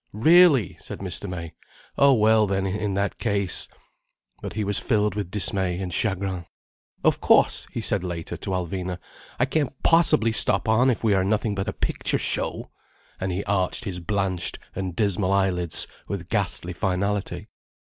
"Really!" said Mr. May. "Oh well then, in that case—" But he was filled with dismay and chagrin. "Of cauce," he said later to Alvina, "I can't possibly stop on if we are nothing but a picture show!" And he arched his blanched and dismal eyelids with ghastly finality.